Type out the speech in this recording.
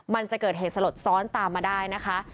มันจะเกิดเหตุสลดซ้อนตามมาได้นะคะ